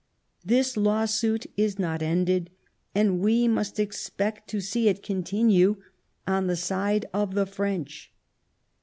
This lawsuit is not ended, and we must expect to see it continue on the side of the French.